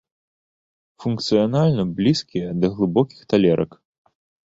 Функцыянальна блізкія да глыбокіх талерак.